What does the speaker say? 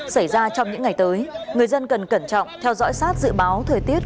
xảy ra trong những ngày tới người dân cần cẩn trọng theo dõi sát dự báo thời tiết